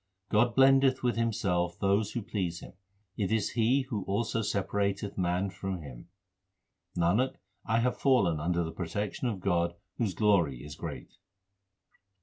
God blendeth with Himself those who please Him ; it is He who also separateth man from Him. Nanak, I have fallen under the protection of God whose glory is great.